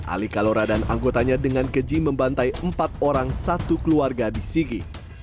ali kalora dan anggotanya dengan keji membantai empat orang satu keluarga di sigi